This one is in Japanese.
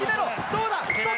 どうだ？